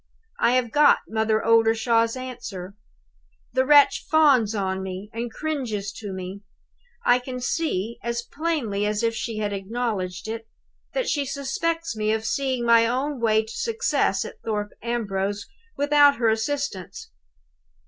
"I have got Mother Oldershaw's answer. The wretch fawns on me, and cringes to me. I can see, as plainly as if she had acknowledged it, that she suspects me of seeing my own way to success at Thorpe Ambrose without her assistance.